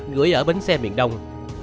gửi ở bến xe miền đông